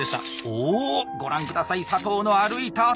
おご覧下さい佐藤の歩いた跡。